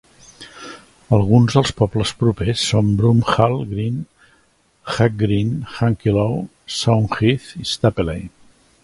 Alguns dels pobles propers són Broomhall Green, Hack Green, Hankelow, Sound Heath i Stapeley.